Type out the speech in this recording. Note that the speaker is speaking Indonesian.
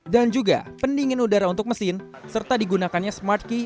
dan juga pendingin udara untuk mesin serta digunakannya smart key